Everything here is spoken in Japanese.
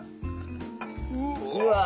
うわ。